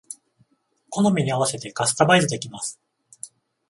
好みに合わせてカスタマイズできます